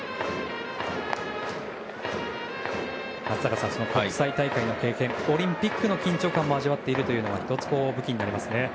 松坂さん、国際大会の経験オリンピックの緊張感も味わっているというのは１つ、武器になりますね。